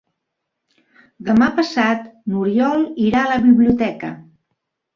Demà passat n'Oriol irà a la biblioteca.